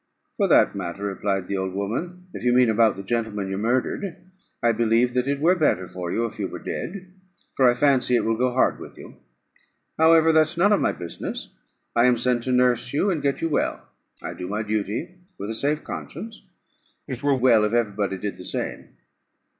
"For that matter," replied the old woman, "if you mean about the gentleman you murdered, I believe that it were better for you if you were dead, for I fancy it will go hard with you! However, that's none of my business; I am sent to nurse you, and get you well; I do my duty with a safe conscience; it were well if every body did the same."